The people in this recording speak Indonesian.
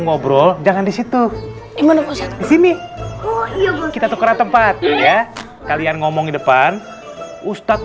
ngobrol jangan disitu dimana posisi ini kita tukeran tempat ya kalian ngomong depan ustadz